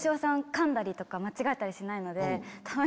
かんだり間違えたりしないので。